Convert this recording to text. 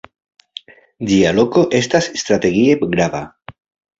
Ĝia loko estas strategie grava.